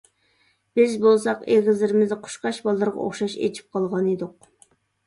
بىز بولساق ئېغىزلىرىمىزنى قۇشقاچ بالىلىرىغا ئوخشاش ئېچىپ قالغان ئىدۇق.